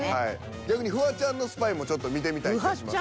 逆にフワちゃんのスパイも見てみたい気がしますけど。